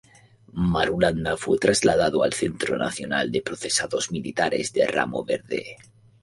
Marulanda fue trasladado al Centro Nacional de Procesados Militares de Ramo Verde.